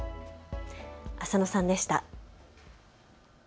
浅野さんでした。